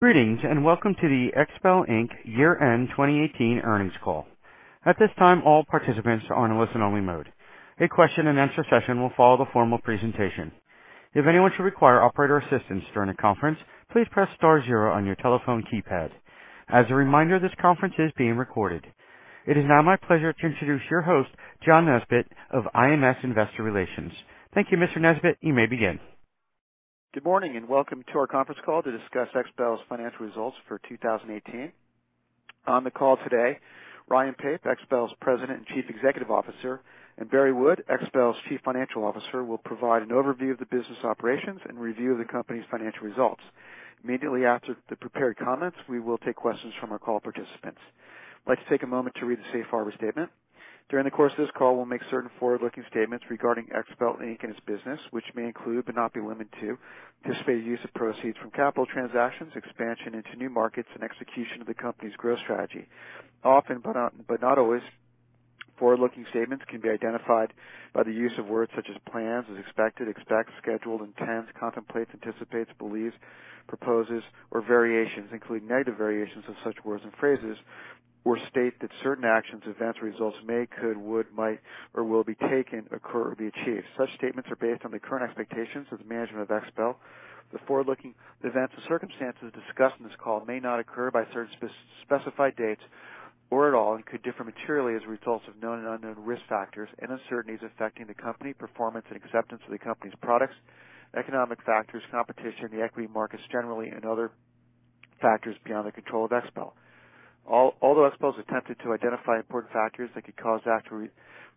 Greetings, and welcome to the XPEL, Inc. year-end 2018 earnings call. It is now my pleasure to introduce your host, John Nesbett of IMS Investor Relations. Thank you, Mr. Nesbett. You may begin. Good morning, and welcome to our conference call to discuss XPEL's financial results for 2018. On the call today, Ryan Pape, XPEL's President and Chief Executive Officer, and Barry Wood, XPEL's Chief Financial Officer, will provide an overview of the business operations and review the company's financial results. Immediately after the prepared comments, we will take questions from our call participants. I'd like to take a moment to read the safe harbor statement. During the course of this call, we'll make certain forward-looking statements regarding XPEL Inc. and its business, which may include, but not be limited to, anticipated use of proceeds from capital transactions, expansion into new markets, and execution of the company's growth strategy. Often but not always, forward-looking statements can be identified by the use of words such as plans, as expected, expect, scheduled, intends, contemplates, anticipates, believes, proposes, or variations, including negative variations of such words and phrases or state that certain actions, events, or results may, could, would, might, or will be taken, occur, or be achieved. Such statements are based on the current expectations of the management of XPEL. The forward-looking events or circumstances discussed in this call may not occur by certain specified dates or at all and could differ materially as a result of known and unknown risk factors and uncertainties affecting the company, performance and acceptance of the company's products, economic factors, competition in the equity markets generally, and other factors beyond the control of XPEL. Although XPEL has attempted to identify important factors that could cause actual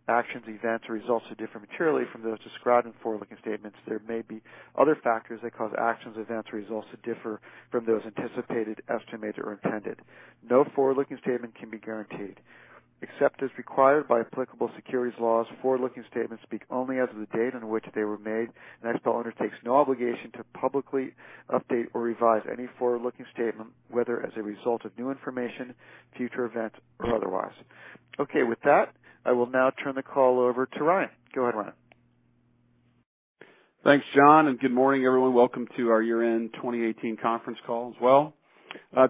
actions, events, or results to differ materially from those described in forward-looking statements, there may be other factors that cause actions, events, or results to differ from those anticipated, estimated, or intended. No forward-looking statement can be guaranteed. Except as required by applicable securities laws, forward-looking statements speak only as of the date on which they were made, and XPEL undertakes no obligation to publicly update or revise any forward-looking statement, whether as a result of new information, future events, or otherwise. Okay. With that, I will now turn the call over to Ryan. Go ahead, Ryan. Thanks, John, and good morning, everyone. Welcome to our year-end 2018 conference call as well.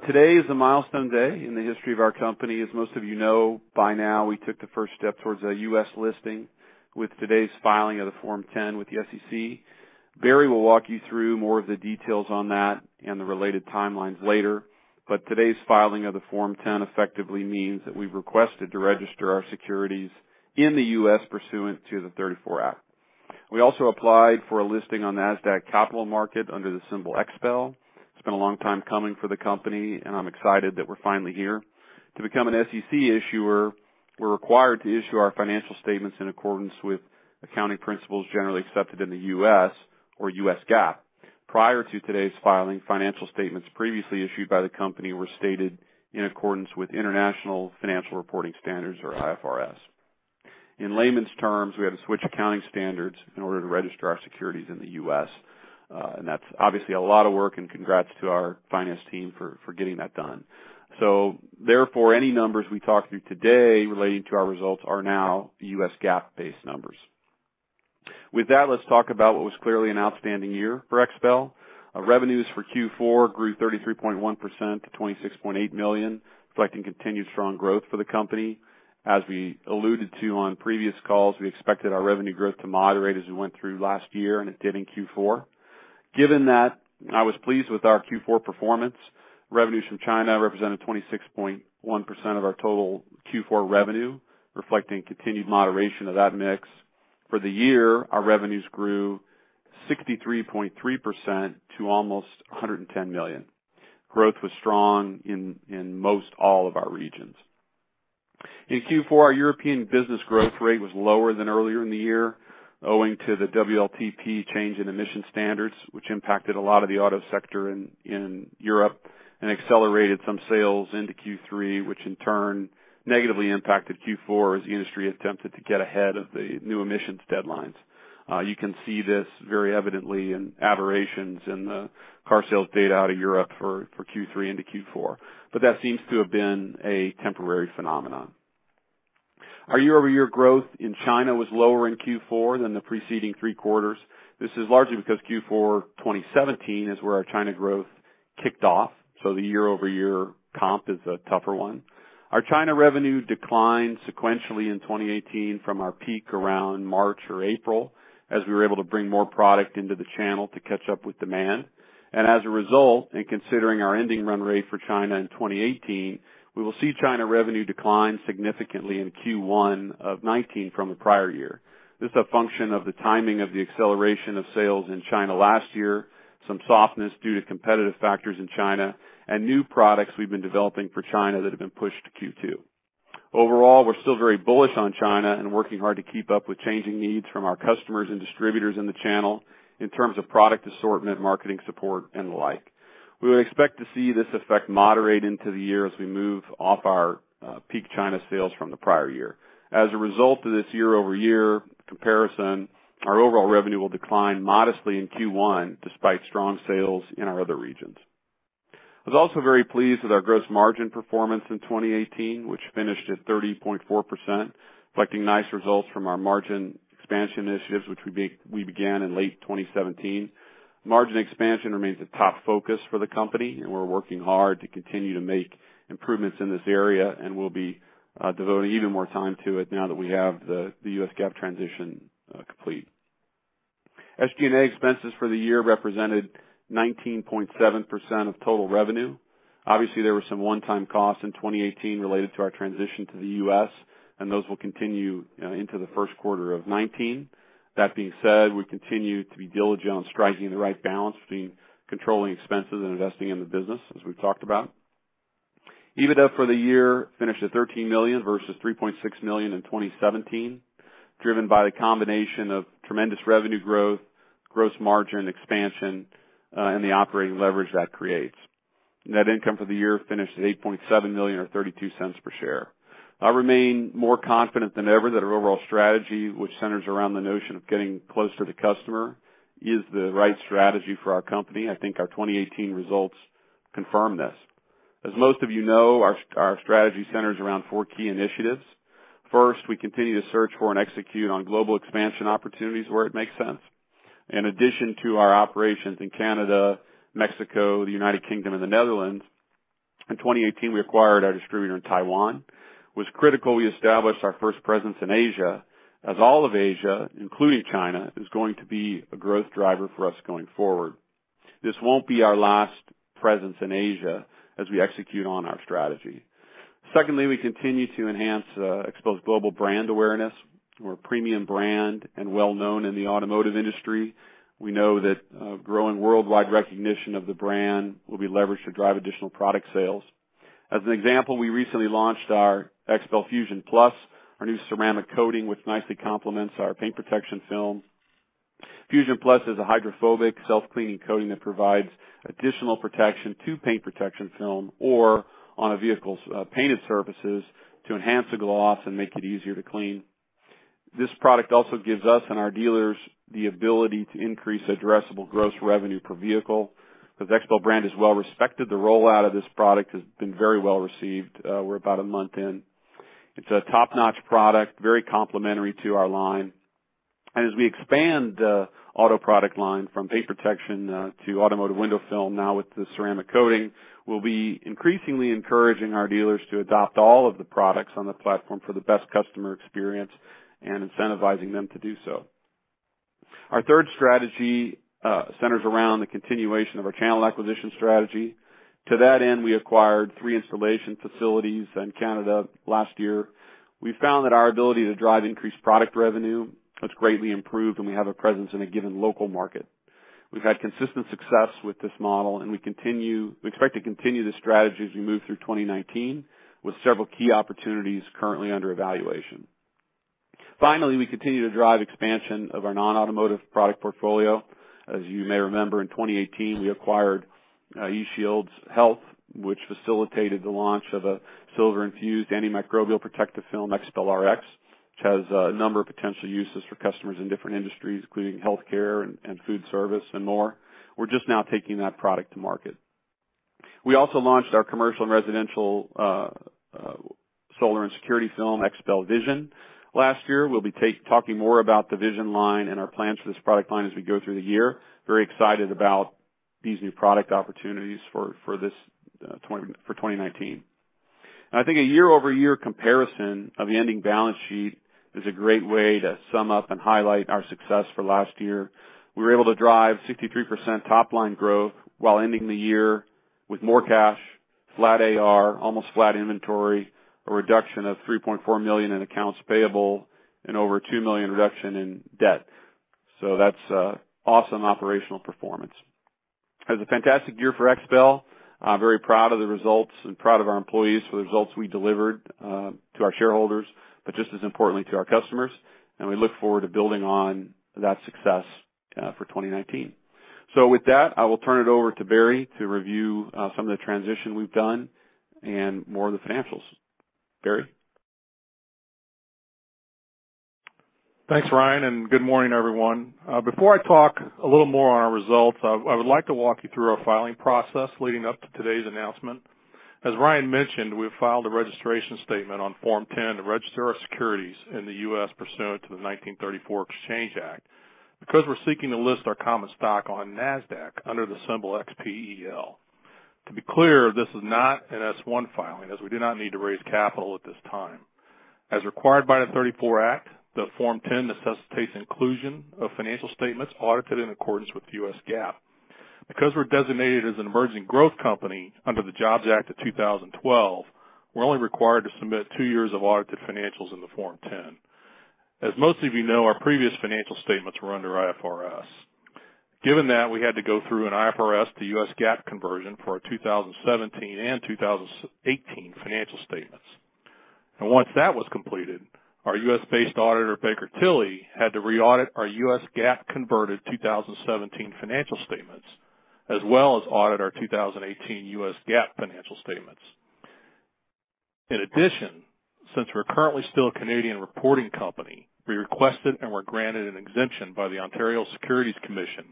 Today is a milestone day in the history of our company. Most of you know by now, we took the first step towards a U.S. listing with today's filing of the Form 10 with the SEC. Barry will walk you through more of the details on that and the related timelines later. Today's filing of the Form 10 effectively means that we've requested to register our securities in the U.S. pursuant to the 34 Act. We also applied for a listing on NASDAQ Capital Market under the symbol XPEL. It's been a long time coming for the company, and I'm excited that we're finally here. To become an SEC issuer, we're required to issue our financial statements in accordance with accounting principles generally accepted in the U.S. or U.S. GAAP. Prior to today's filing, financial statements previously issued by the company were stated in accordance with International Financial Reporting Standards or IFRS. In layman's terms, we had to switch accounting standards in order to register our securities in the U.S., and that's obviously a lot of work, and congrats to our finance team for getting that done. Therefore, any numbers we talk through today relating to our results are now U.S. GAAP-based numbers. With that, let's talk about what was clearly an outstanding year for XPEL. Revenues for Q4 grew 33.1%- $26.8 million, reflecting continued strong growth for the company. As we alluded to on previous calls, we expected our revenue growth to moderate as we went through last year, and it did in Q4. Given that, I was pleased with our Q4 performance. Revenues from China represented 26.1% of our total Q4 revenue, reflecting continued moderation of that mix. For the year, our revenues grew 63.3% to almost $110 million. Growth was strong in most all of our regions. In Q4, our European business growth rate was lower than earlier in the year, owing to the WLTP change in emission standards, which impacted a lot of the auto sector in Europe and accelerated some sales into Q3, which in turn negatively impacted Q4 as the industry attempted to get ahead of the new emissions deadlines. You can see this very evidently in aberrations in the car sales data out of Europe for Q3 into Q4. That seems to have been a temporary phenomenon. Our year-over-year growth in China was lower in Q4 than the preceding three quarters. This is largely because Q4 2017 is where our China growth kicked off, so the year-over-year comp is a tougher one. Our China revenue declined sequentially in 2018 from our peak around March or April, as we were able to bring more product into the channel to catch up with demand. As a result, in considering our ending run rate for China in 2018, we will see China revenue decline significantly in Q1 2019 from the prior year. This is a function of the timing of the acceleration of sales in China last year, some softness due to competitive factors in China, and new products we've been developing for China that have been pushed to Q2. Overall, we're still very bullish on China and working hard to keep up with changing needs from our customers and distributors in the channel in terms of product assortment, marketing support, and the like. We would expect to see this effect moderate into the year as we move off our peak China sales from the prior year. As a result of this year-over-year comparison, our overall revenue will decline modestly in Q1 despite strong sales in our other regions. I was also very pleased with our gross margin performance in 2018, which finished at 30.4%, reflecting nice results from our margin expansion initiatives, which we began in late 2017. Margin expansion remains a top focus for the company, and we're working hard to continue to make improvements in this area, and we'll be devoting even more time to it now that we have the U.S. GAAP transition complete. SG&A expenses for the year represented 19.7% of total revenue. Obviously, there were some one-time costs in 2018 related to our transition to the U.S., and those will continue into the first quarter of 2019. That being said, we continue to be diligent on striking the right balance between controlling expenses and investing in the business, as we've talked about. EBITDA for the year finished at $13 million versus $3.6 million in 2017, driven by the combination of tremendous revenue growth, gross margin expansion, and the operating leverage that creates. Net income for the year finished at $8.7 million or $0.32 per share. I remain more confident than ever that our overall strategy, which centers around the notion of getting closer to customer, is the right strategy for our company. I think our 2018 results confirm this. As most of you know, our strategy centers around four key initiatives. First, we continue to search for and execute on global expansion opportunities where it makes sense. In addition to our operations in Canada, Mexico, the U.K., and the Netherlands, in 2018 we acquired our distributor in Taiwan. It was critical we established our first presence in Asia, as all of Asia, including China, is going to be a growth driver for us going forward. This won't be our last presence in Asia as we execute on our strategy. We continue to enhance XPEL's global brand awareness. We're a premium brand and well-known in the automotive industry. We know that growing worldwide recognition of the brand will be leveraged to drive additional product sales. As an example, we recently launched our XPEL FUSION PLUS, our new ceramic coating which nicely complements our paint protection film. FUSION PLUS is a hydrophobic self-cleaning coating that provides additional protection to paint protection film or on a vehicle's painted surfaces to enhance the gloss and make it easier to clean. This product also gives us and our dealers the ability to increase addressable gross revenue per vehicle. The XPEL brand is well respected. The rollout of this product has been very well received. We're about a month in. It's a top-notch product, very complementary to our line. As we expand the auto product line from paint protection film to window film now with the ceramic coating, we'll be increasingly encouraging our dealers to adopt all of the products on the platform for the best customer experience and incentivizing them to do so. Our third strategy centers around the continuation of our channel acquisition strategy. To that end, we acquired three installation facilities in Canada last year. We found that our ability to drive increased product revenue has greatly improved, and we have a presence in a given local market. We've had consistent success with this model, and we expect to continue this strategy as we move through 2019 with several key opportunities currently under evaluation. Finally, we continue to drive expansion of our non-automotive product portfolio. As you may remember, in 2018 we acquired E-Shields Health, which facilitated the launch of a silver-infused antimicrobial protective film, XPEL RX, which has a number of potential uses for customers in different industries, including healthcare and food service and more. We're just now taking that product to market. We also launched our commercial and residential solar and security film, XPEL VISION, last year. We'll be talking more about the VISION line and our plans for this product line as we go through the year. Very excited about these new product opportunities for this for 2019. I think a year-over-year comparison of the ending balance sheet is a great way to sum up and highlight our success for last year. We were able to drive 63% top line growth while ending the year with more cash, flat AR, almost flat inventory, a reduction of $3.4 million in accounts payable, and over $2 million reduction in debt. That's awesome operational performance. It was a fantastic year for XPEL. I'm very proud of the results and proud of our employees for the results we delivered to our shareholders, but just as importantly to our customers. We look forward to building on that success for 2019. With that, I will turn it over to Barry to review some of the transition we've done and more of the financials. Barry? Thanks, Ryan, good morning, everyone. Before I talk a little more on our results, I would like to walk you through our filing process leading up to today's announcement. As Ryan mentioned, we have filed a registration statement on Form 10 to register our securities in the U.S. pursuant to the 1934 Exchange Act because we're seeking to list our common stock on NASDAQ under the symbol XPEL. To be clear, this is not an S-1 filing, as we do not need to raise capital at this time. As required by the '34 Act, the Form 10 necessitates inclusion of financial statements audited in accordance with U.S. GAAP. Because we're designated as an emerging growth company under the JOBS Act of 2012, we're only required to submit two years of audited financials in the Form 10. As most of you know, our previous financial statements were under IFRS. Given that, we had to go through an IFRS to U.S. GAAP conversion for our 2017 and 2018 financial statements. Once that was completed, our U.S.-based auditor, Baker Tilly, had to re-audit our U.S. GAAP converted 2017 financial statements, as well as audit our 2018 U.S. GAAP financial statements. In addition, since we're currently still a Canadian reporting company, we requested and were granted an exemption by the Ontario Securities Commission,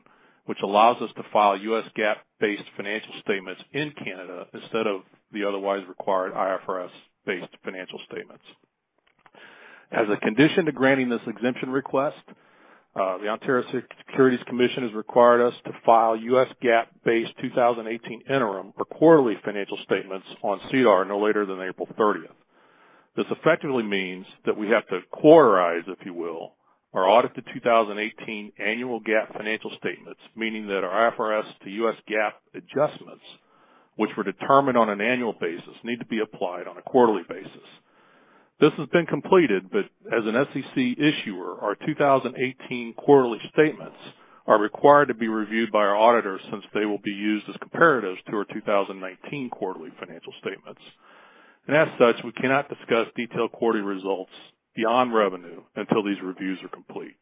which allows us to file U.S. GAAP-based financial statements in Canada instead of the otherwise required IFRS-based financial statements. As a condition to granting this exemption request, the Ontario Securities Commission has required us to file U.S. GAAP-based 2018 interim or quarterly financial statements on SEDAR no later than April 30th. This effectively means that we have to quarterize, if you will, our audited 2018 annual GAAP financial statements, meaning that our IFRS to U.S. GAAP adjustments, which were determined on an annual basis, need to be applied on a quarterly basis. This has been completed, but as an SEC issuer, our 2018 quarterly statements are required to be reviewed by our auditors since they will be used as comparatives to our 2019 quarterly financial statements. As such, we cannot discuss detailed quarterly results beyond revenue until these reviews are complete.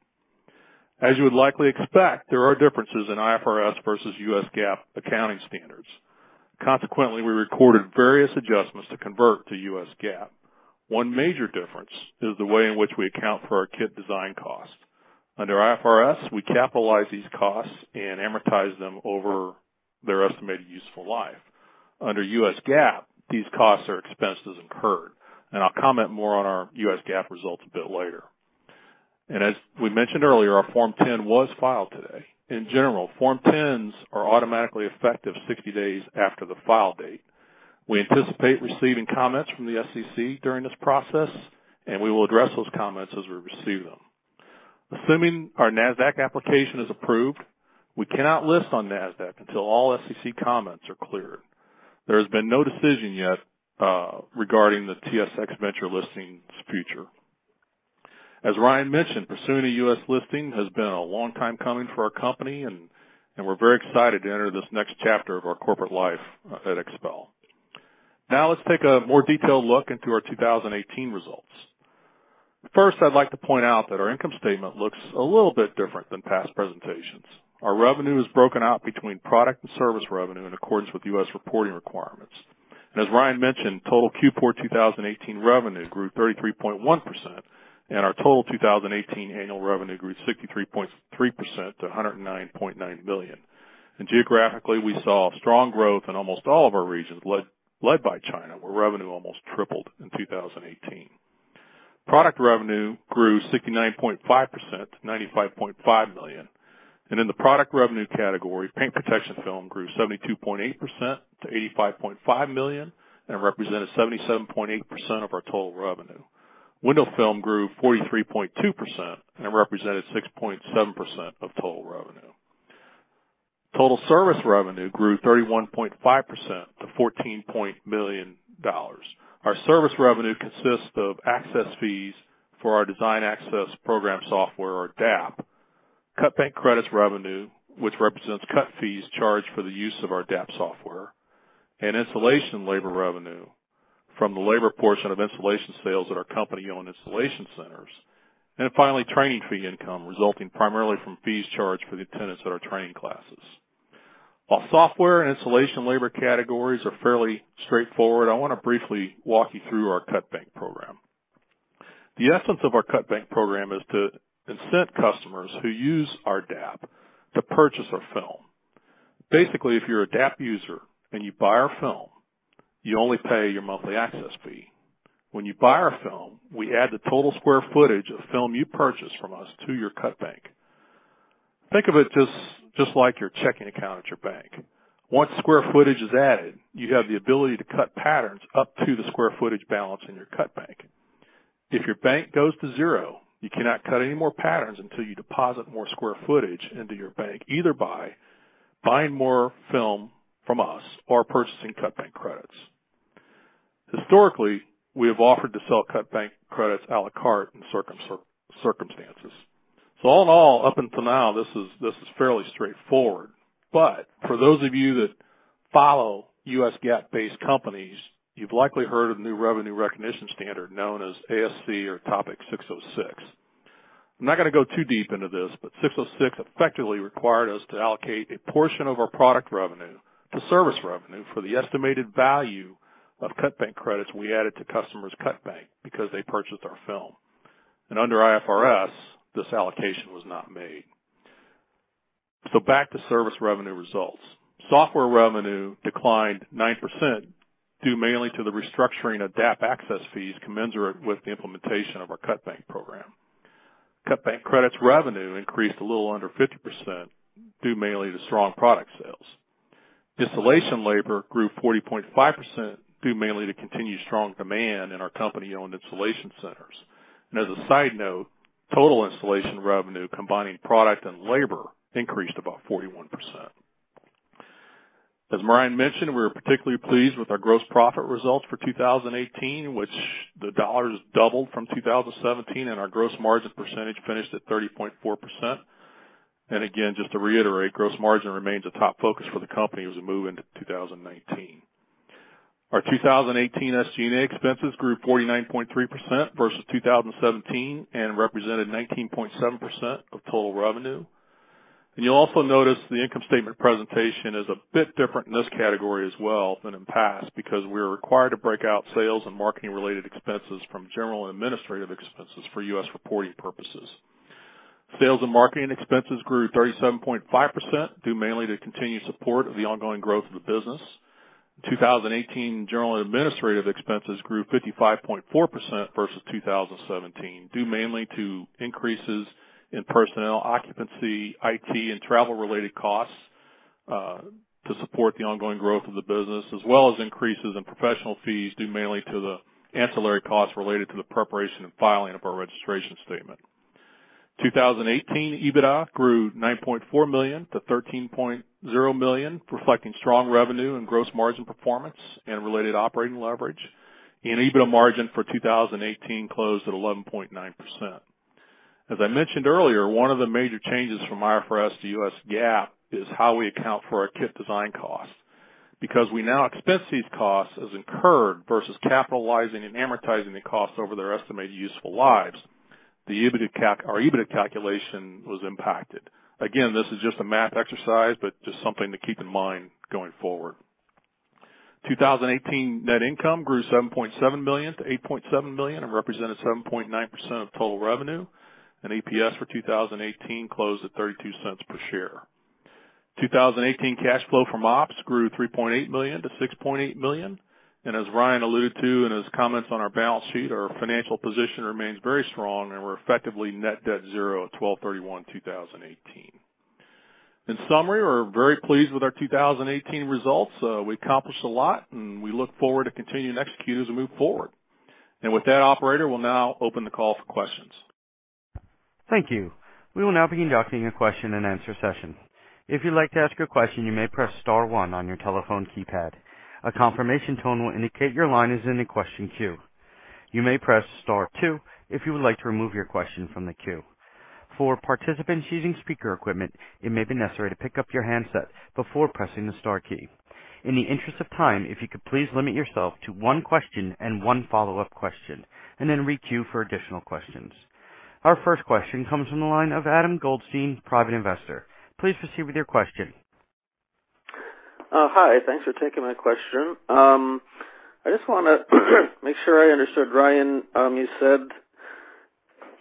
As you would likely expect, there are differences in IFRS versus U.S. GAAP accounting standards. Consequently, we recorded various adjustments to convert to U.S. GAAP. One major difference is the way in which we account for our kit design cost. Under IFRS, we capitalize these costs and amortize them over their estimated useful life. Under U.S. GAAP, these costs are expensed as incurred, and I'll comment more on our U.S. GAAP results a bit later. As we mentioned earlier, our Form 10 was filed today. In general, Form 10s are automatically effective 60 days after the file date. We anticipate receiving comments from the SEC during this process, and we will address those comments as we receive them. Assuming our NASDAQ application is approved, we cannot list on NASDAQ until all SEC comments are cleared. There has been no decision yet regarding the TSX Venture listing's future. As Ryan mentioned, pursuing a U.S. listing has been a long time coming for our company, and we're very excited to enter this next chapter of our corporate life at XPEL. Now, let's take a more detailed look into our 2018 results. First, I'd like to point out that our income statement looks a little bit different than past presentations. Our revenue is broken out between product and service revenue in accordance with U.S. reporting requirements. As Ryan mentioned, total Q4 2018 revenue grew 33.1%, and our total 2018 annual revenue grew 63.3% to $109.9 million. Geographically, we saw strong growth in almost all of our regions, led by China, where revenue almost tripled in 2018. Product revenue grew 69.5% to $95.5 million. In the product revenue category, paint protection film grew 72.8% to $85.5 million and represented 77.8% of our total revenue. Window film grew 43.2% and represented 6.7% of total revenue. Total service revenue grew 31.5% to $14 million. Our service revenue consists of access fees for our Design Access Program software or DAP. Cut bank credits revenue, which represents cut fees charged for the use of our DAP software, and installation labor revenue from the labor portion of installation sales at our company-owned installation centers. Finally, training fee income resulting primarily from fees charged for the attendance at our training classes. While software and installation labor categories are fairly straightforward, I wanna briefly walk you through our cut bank program. The essence of our cut bank program is to incent customers who use our DAP to purchase our film. Basically, if you're a DAP user and you buy our film, you only pay your monthly access fee. When you buy our film, we add the total square footage of film you purchase from us to your cut bank. Think of it just like your checking account at your bank. Once square footage is added, you have the ability to cut patterns up to the square footage balance in your cut bank. If your bank goes to zero, you cannot cut any more patterns until you deposit more square footage into your bank, either by buying more film from us or purchasing cut bank credits. Historically, we have offered to sell cut bank credits à la carte in circumstances. All in all, up until now, this is fairly straightforward. For those of you that follow U.S. GAAP-based companies, you've likely heard of the new revenue recognition standard known as ASC or Topic 606. I'm not going to go too deep into this, 606 effectively required us to allocate a portion of our product revenue to service revenue for the estimated value of cut bank credits we added to customers' cut bank because they purchased our film. Under IFRS, this allocation was not made. Back to service revenue results. Software revenue declined 9%, due mainly to the restructuring of DAP access fees commensurate with the implementation of our cut bank program. Cut bank credits revenue increased a little under 50%, due mainly to strong product sales. Installation labor grew 40.5%, due mainly to continued strong demand in our company-owned installation centers. As a side note, total installation revenue combining product and labor increased about 41%. As Ryan mentioned, we're particularly pleased with our gross profit results for 2018, which the dollars doubled from 2017, and our gross margin percentage finished at 30.4%. Again, just to reiterate, gross margin remains a top focus for the company as we move into 2019. Our 2018 SG&A expenses grew 49.3% versus 2017 and represented 19.7% of total revenue. You'll also notice the income statement presentation is a bit different in this category as well than in past because we're required to break out sales and marketing-related expenses from general and administrative expenses for U.S. reporting purposes. Sales and marketing expenses grew 37.5%, due mainly to continued support of the ongoing growth of the business. 2018 general and administrative expenses grew 55.4% versus 2017, due mainly to increases in personnel occupancy, IT, and travel-related costs to support the ongoing growth of the business, as well as increases in professional fees due mainly to the ancillary costs related to the preparation and filing of our registration statement. 2018 EBITDA grew $9.4 million - $13.0 million, reflecting strong revenue and gross margin performance and related operating leverage. EBITDA margin for 2018 closed at 11.9%. As I mentioned earlier, one of the major changes from IFRS to U.S. GAAP is how we account for our kit design costs. Because we now expense these costs as incurred versus capitalizing and amortizing the costs over their estimated useful lives, the EBIT calculation was impacted. Again, this is just a math exercise, but just something to keep in mind going forward. 2018 net income grew $7.7 million-$8.7 million and represented 7.9% of total revenue. EPS for 2018 closed at $0.32 per share. 2018 cash flow from ops grew $3.8 million-$6.8 million. As Ryan alluded to in his comments on our balance sheet, our financial position remains very strong, and we're effectively net debt zero at 12/31/2018. In summary, we're very pleased with our 2018 results. We accomplished a lot, and we look forward to continuing to execute as we move forward. With that, operator, we'll now open the call for questions. Thank you. We will now be conducting a question-and-answer session. If you'd like to ask a question, you may press star one on your telephone keypad. A confirmation tone will indicate your line is in the question queue. You may press star two if you would like to remove your question from the queue. For participants using speaker equipment, it may be necessary to pick up your handset before pressing the star key. In the interest of time, if you could please limit yourself to one question and one follow-up question and then re-queue for additional questions. Our first question comes from the line of Adam Goldstein, Private Investor. Please proceed with your question. Hi. Thanks for taking my question. I just wanna make sure I understood, Ryan. You said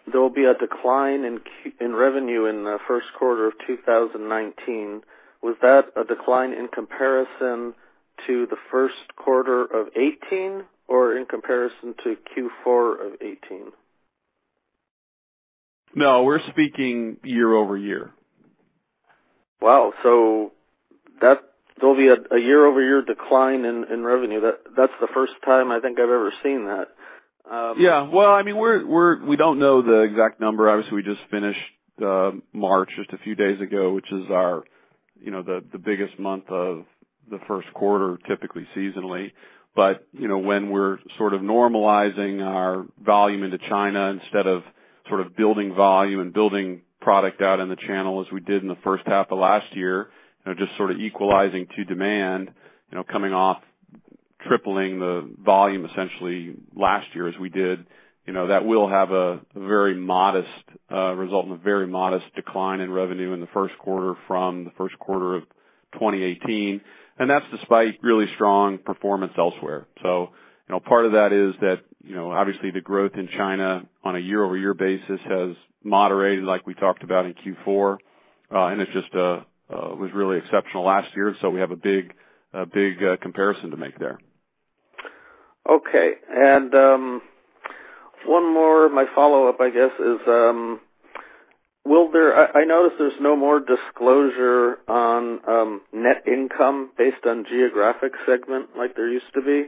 there'll be a decline in revenue in the first quarter of 2019. Was that a decline in comparison to the first quarter of 2018 or in comparison to Q4 of 2018? No, we're speaking year-over-year. Wow. There'll be a year-over-year decline in revenue. That's the first time I think I've ever seen that. Well, I mean, we don't know the exact number. Obviously, we just finished March just a few days ago, which is our, you know, the biggest month of the first quarter, typically seasonally. When we're sort of normalizing our volume into China instead of sort of building volume and building product out in the channel as we did in the first half of last year, you know, just sort of equalizing to demand, you know, coming off tripling the volume essentially last year as we did, you know, that will have a very modest result and a very modest decline in revenue in the first quarter from the first quarter of 2018, and that's despite really strong performance elsewhere. You know, part of that is that, you know, obviously the growth in China on a year-over-year basis has moderated like we talked about in Q4, and it just was really exceptional last year, so we have a big comparison to make there. Okay. One more. My follow-up, I guess, is, I notice there's no more disclosure on net income based on geographic segment like there used to be.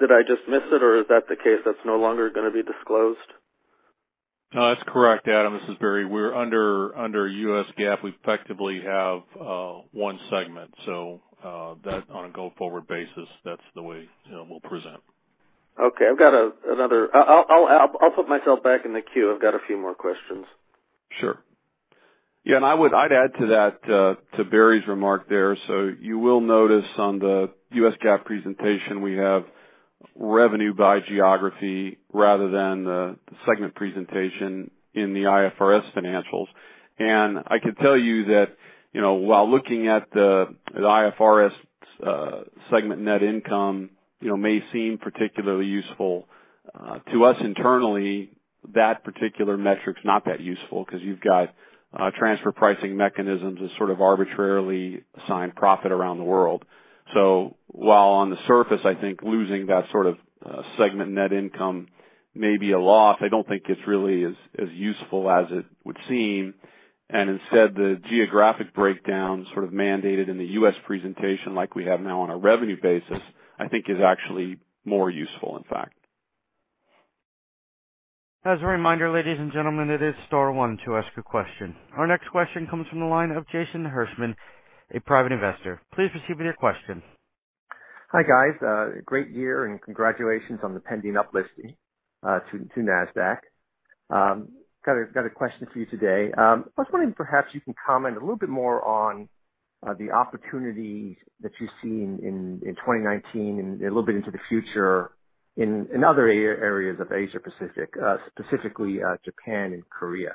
Did I just miss it, or is that the case, that's no longer gonna be disclosed? No, that's correct, Adam. This is Barry. We're under U.S. GAAP. We effectively have, one segment. That on a go-forward basis, that's the way, you know, we'll present. Okay. I've got another. I'll put myself back in the queue. I've got a few more questions. Sure. Yeah. I'd add to that, to Barry's remark there. You will notice on the U.S. GAAP presentation, we have revenue by geography rather than the segment presentation in the IFRS financials. I can tell you that, you know, while looking at the IFRS segment net income, you know, may seem particularly useful to us internally, that particular metric's not that useful because you've got transfer pricing mechanisms that sort of arbitrarily assign profit around the world. While on the surface, I think losing that sort of segment net income may be a loss, I don't think it's really as useful as it would seem. Instead, the geographic breakdown sort of mandated in the U.S. presentation like we have now on a revenue basis, I think is actually more useful, in fact. As a reminder, ladies and gentlemen, it is star one to ask a question. Our next question comes from the line of Jason Hirschman, a private investor. Please proceed with your question. Hi, guys. Great year, and congratulations on the pending uplisting to NASDAQ. Got a question for you today. I was wondering perhaps you can comment a little bit more on the opportunities that you see in 2019 and a little bit into the future in other areas of Asia Pacific, specifically Japan and Korea.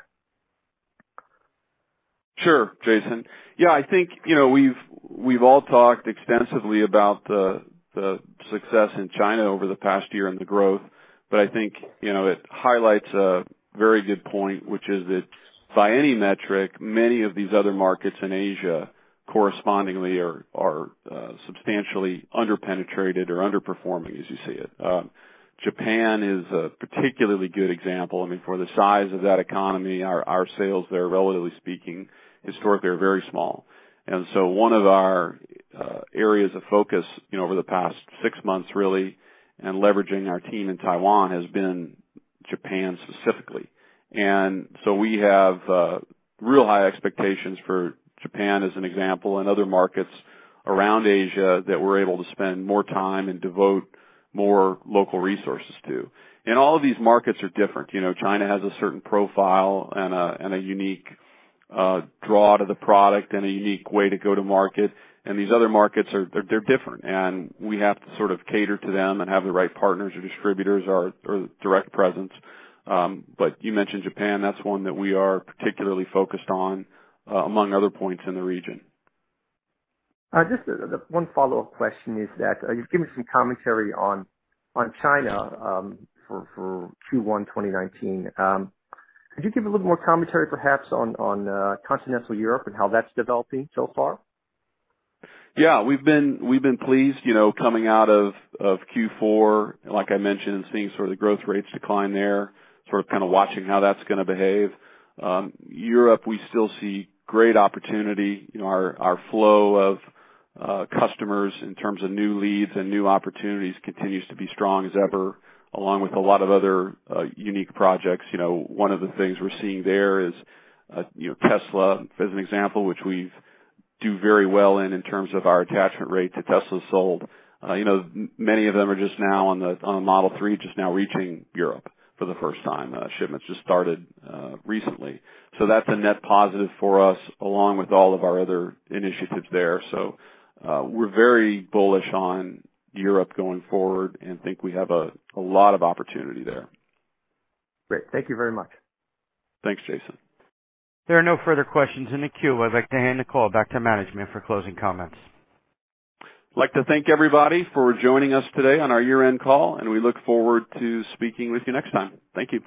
Sure, Jason. I think, you know, we've all talked extensively about the success in China over the past year and the growth, I think, you know, it highlights a very good point, which is that by any metric, many of these other markets in Asia correspondingly are substantially under-penetrated or underperforming, as you say it. Japan is a particularly good example. I mean, for the size of that economy, our sales there, relatively speaking, historically, are very small. One of our areas of focus, you know, over the past six months really, and leveraging our team in Taiwan, has been Japan specifically. We have real high expectations for Japan as an example, and other markets around Asia that we're able to spend more time and devote more local resources to. All of these markets are different. You know, China has a certain profile and a unique draw to the product and a unique way to go to market, and these other markets are different. We have to sort of cater to them and have the right partners or distributors or direct presence. You mentioned Japan, that's one that we are particularly focused on among other points in the region. Just the one follow-up question is that you've given some commentary on China for Q1 2019. Could you give a little more commentary perhaps on continental Europe and how that's developing so far? Yeah. We've been pleased, you know, coming out of Q4, like I mentioned, seeing sort of the growth rates decline there, sort of watching how that's gonna behave. Europe, we still see great opportunity. You know, our flow of customers in terms of new leads and new opportunities continues to be strong as ever, along with a lot of other unique projects. You know, one of the things we're seeing there is, you know, Tesla as an example, which we do very well in terms of our attachment rate to Tesla sold. You know, many of them are just now on the Model 3, just now reaching Europe for the first time. Shipments just started recently. That's a net positive for us, along with all of our other initiatives there. We're very bullish on Europe going forward and think we have a lot of opportunity there. Great. Thank you very much. Thanks, Jason. There are no further questions in the queue. I'd like to hand the call back to management for closing comments. I'd like to thank everybody for joining us today on our year-end call. We look forward to speaking with you next time. Thank you.